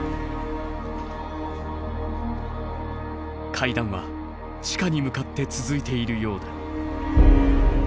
階段は地下に向かって続いているようだ。